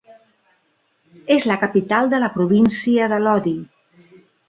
És la capital de la província de Lodi.